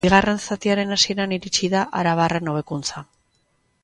Bigarren zatiaren hasieran iritsi da arabarren hobekuntza.